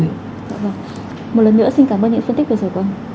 dạ vâng một lần nữa xin cảm ơn những phân tích của sở quân